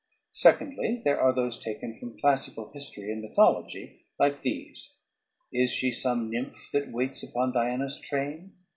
Secondly, there are those taken from classical history and mythology, like these: "Is she some nymph that waits upon Diana's train